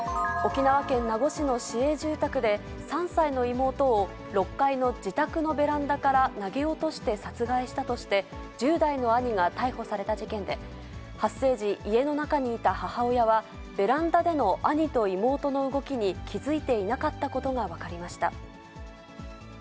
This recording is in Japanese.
沖縄県名護市の市営住宅で、３歳の妹を６階の自宅のベランダから投げ落として殺害したとして、１０代の兄が逮捕された事件で、発生時、家の中にいた母親は、ベランダでの兄と妹の動きに気付いていなかったことが分かりました。